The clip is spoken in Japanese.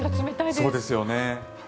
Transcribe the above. そうですよね。